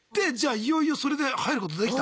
いよいよそれで入ることできた？